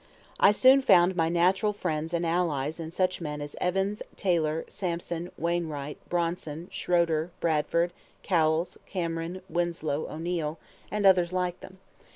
I soon found my natural friends and allies in such men as Evans, Taylor, Sampson, Wainwright, Brownson, Schroeder, Bradford, Cowles, Cameron, Winslow, O'Neil, and others like them.